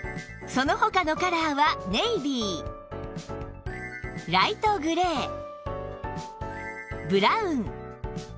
その他のカラーはネイビーライトグレーブラウン